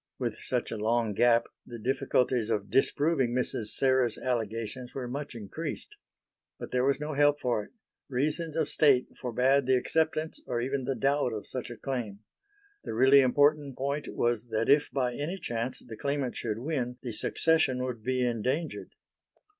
With such a long gap the difficulties of disproving Mrs. Serres' allegations were much increased. But there was no help for it; reasons of State forbade the acceptance or even the doubt of such a claim. The really important point was that if by any chance the claimant should win, the Succession would be endangered.